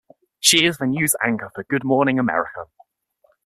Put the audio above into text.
She is the News Anchor for "Good Morning America".